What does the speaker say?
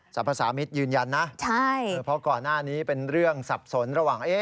สรรพสามิตรยืนยันนะเพราะก่อนหน้านี้เป็นเรื่องสับสนระหว่าง